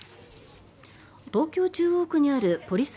東京・中央区にあるポリス